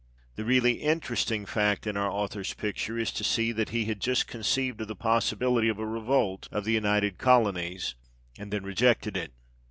The really interesting fact in our author's picture is to see that he had just conceived of the possibility of a revolt of the United Colonies, and then rejected it.